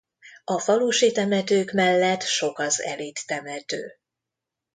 A falusi temetők mellett sok az elit temető.